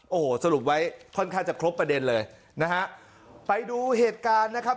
โอ้โหสรุปไว้ค่อนข้างจะครบประเด็นเลยนะฮะไปดูเหตุการณ์นะครับ